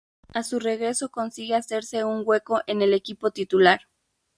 A su regreso consigue hacerse un hueco en el equipo titular.